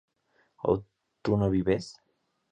tú no vives